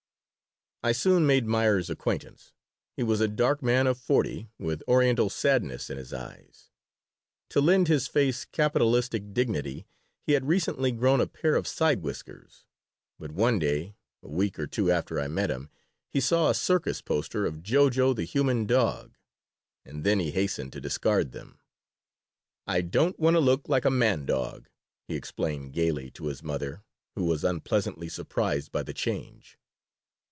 I soon made Meyer's acquaintance. He was a dark man of forty, with Oriental sadness in his eyes. To lend his face capitalistic dignity he had recently grown a pair of side whiskers, but one day, a week or two after I met him, he saw a circus poster of "Jo Jo, the human dog," and then he hastened to discard them "I don't want to look like a man dog," he explained, gaily, to his mother, who was unpleasantly surprised by the change.